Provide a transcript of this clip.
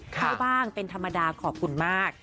เข้าบ้างเป็นธรรมดาขอบคุณมาก